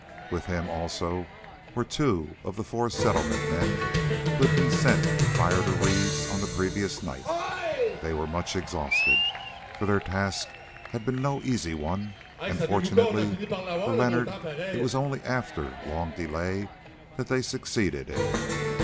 With him also were two of the four Settlement men who had been sent to fire the reeds on the previous night. They were much exhausted, for their task had been no easy one, and fortunately for Leonard it was only after long delay that they succeeded in it.